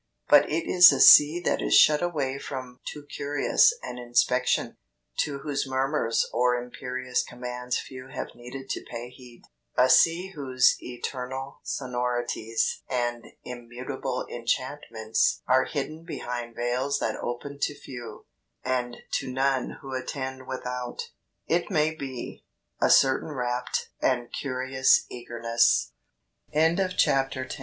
But it is a sea that is shut away from too curious an inspection, to whose murmurs or imperious commands few have needed to pay heed; a sea whose eternal sonorities and immutable enchantments are hidden behind veils that open to few, and to none who attend without, it may be, a certain rapt and cur